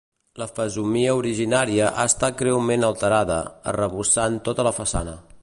La fesomia originària ha estat greument alterada, arrebossant tota la façana.